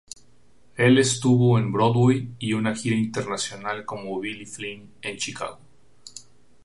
El estuvo en Broadway y una gira nacional como Billy Flynn en "Chicago".